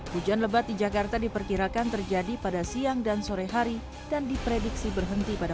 hujan lebat di jakarta diperkirakan terjadi pada siang dan sore hari dan diprediksi berhenti pada